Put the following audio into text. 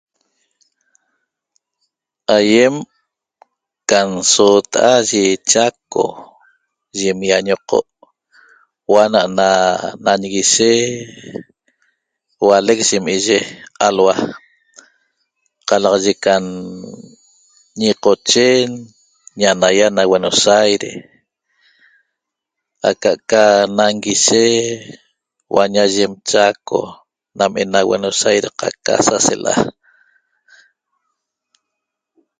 Aýem can soota'a yi Chaco yim ýañoqo' ana'ana nanguishe hualec yim iye alhua qalaxaye can ñiqochen ñanaia na Buenos Aires aca'aca nanguishe huaña yim Chaco nan ena Buenos Aires qaca sa sela'a